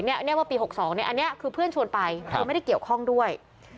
เรียกว่าปี๖๒อันนี้คือเพื่อนชวนไปคือไม่ได้เกี่ยวข้องด้วย